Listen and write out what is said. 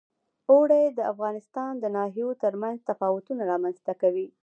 اوړي د افغانستان د ناحیو ترمنځ تفاوتونه رامنځ ته کوي.